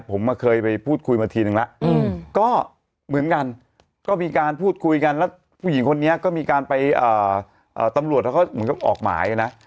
เพราะเหมือนกันก็มีการพูดคุยกันแล้วผู้หญิงคนนี้ก็มีการไปตำรวจแล้วก็เหมือนกับออกหมายนะ